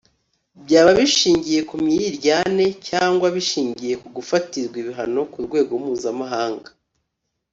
byaba bishingiye ku mwiryane cyangwa bishingiye ku gufatirwa ibihano ku rwego mpuzamahanga